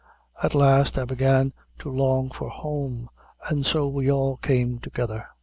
At last I began to long for home, and so we all came together.